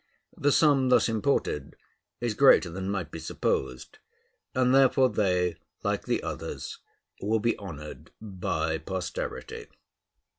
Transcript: The sum thus imported is greater than might be supposed, and therefore they, like the others, will be honored by posterity.